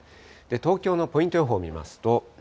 東京のポイント予報見ますと。